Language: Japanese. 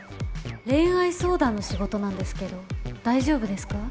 恋愛相談の仕事なんですけど大丈夫ですか？